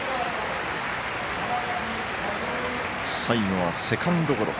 最後は、セカンドゴロ。